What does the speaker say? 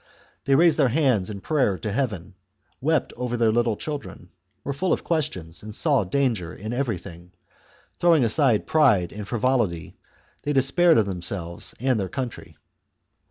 They raised their hands in prayer to heaven ; wept over their little children ; were full of questions ; and saw danger in everything; throwing aside pride and fri volity, they despaired of themselves and their country.